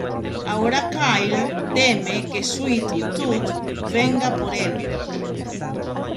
Ahora Kyle teme que Sweet Tooth venga por el.